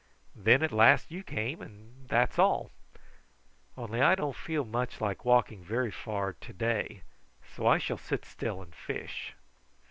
Then at last you came, and that's all; only I don't feel much like walking very far to day, so I shall sit still and fish."